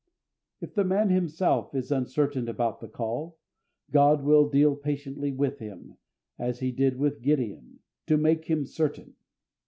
If the man himself is uncertain about the call, God will deal patiently with him, as He did with Gideon, to make him certain.